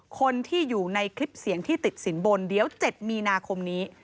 คนที่อยู่ในคลิปเสียงที่ติดสินบนเดี๋ยว๗มีนาคมนี้